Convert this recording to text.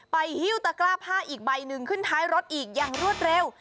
หิ้วตะกร้าผ้าอีกใบหนึ่งขึ้นท้ายรถอีกอย่างรวดเร็ว